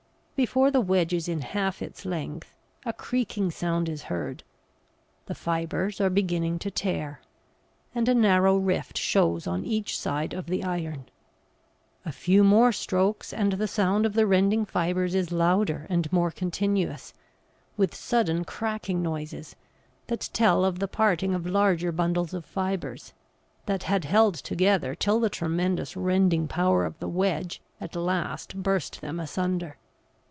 Before the wedge is in half its length a creaking sound is heard; the fibres are beginning to tear, and a narrow rift shows on each side of the iron. A few more strokes and the sound of the rending fibres is louder and more continuous, with sudden cracking noises, that tell of the parting of larger bundles of fibres, that had held together till the tremendous rending power of the wedge at last burst them asunder.